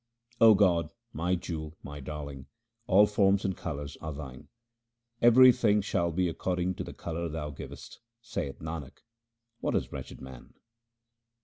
0 God, my Jewel, my Darling, all forms and colours are Thine. Everything shall be according to the colour Thou givest ; saith Nanak, what is wretched man